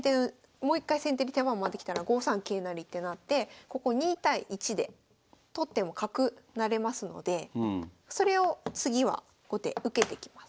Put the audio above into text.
もう一回先手に手番回ってきたら５三桂成ってなってここ２対１で取っても角成れますのでそれを次は後手受けてきます。